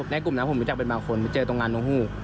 ในกลุ่มนั้นผมรู้จักเป็นบางคนเจอตรงนั้นตรงฮูก